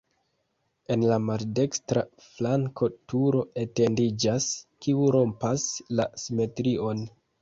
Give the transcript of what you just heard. En la maldekstra flanko turo etendiĝas, kiu rompas la simetrion.